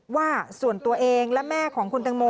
ว่าส่วนตัวเองและแม่ของคุณตังโม